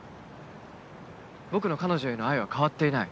僕の彼女への愛は変わっていない。